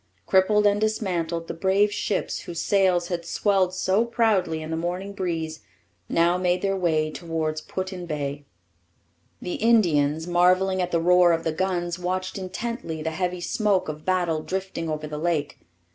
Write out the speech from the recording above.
Crippled and dismantled, the brave ships, whose sails had swelled so proudly in the morning breeze, now made their way towards Put in Bay. The Indians, marvelling at the roar of the guns, watched intently the heavy smoke of battle drifting over the lake.